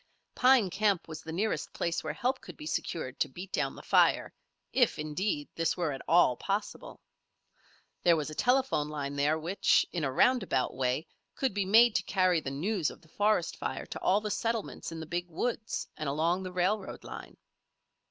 Pine Camp was the nearest place where help could be secured to beat down the fire, if, indeed, this were at all possible. There was a telephone line there which, in a roundabout way, could be made to carry the news of the forest fire to all the settlements in the Big Woods and along the railroad line.